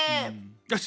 よし！